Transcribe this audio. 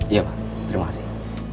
iya pak terima kasih